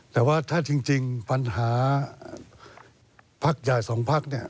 ถ้าจริงปัญหาพักใหญ่สองพัก